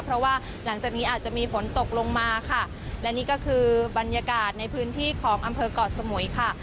เพราะว่าหลังจากนี้อาจจะมีฝนตกลงมาค่ะและนี่ก็คือบรรยากาศในพื้นที่ของอำเภอกเกาะสมุยค่ะ